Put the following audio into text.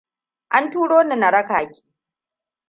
An turo ni na raka ki.